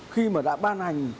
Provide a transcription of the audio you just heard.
khi mà đã ban hành